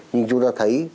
nhưng chúng ta thấy